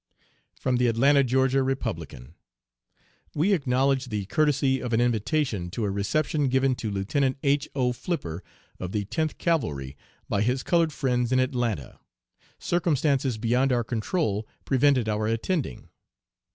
(From the, Atlanta (Ga.) Republican.) "We acknowledge the courtesy of an invitation to a reception given to Lieutenant H. O. Flipper of the Tenth Cavalry, by his colored friends in Atlanta. Circumstances beyond our control prevented our attending.